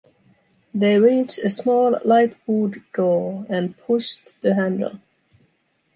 They reached a small light wood door and pushed the handle.